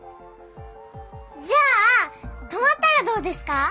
じゃあ泊まったらどうですか？